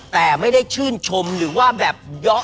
แต่ไม่ได้ชื่นชมหรือว่าแบบเยาะ